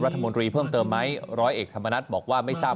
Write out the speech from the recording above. รัฐมนตรีเพิ่มเติมไหมร้อยเอกธรรมนัฏบอกว่าไม่ทราบ